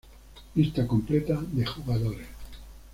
Lista completa de jugadores